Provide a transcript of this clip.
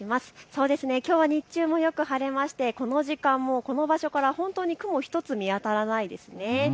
そうですね、きょうは日中もよく晴れてこの時間もこの場所から雲ひとつ見当たらないです。